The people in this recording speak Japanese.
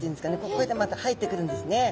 こうやって入ってくるんですね。